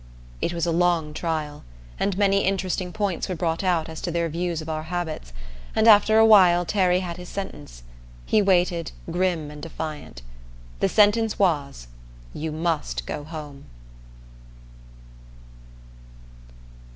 It was a long trial, and many interesting points were brought out as to their views of our habits, and after a while Terry had his sentence. He waited, grim and defiant. The sentence was: "You must go home!"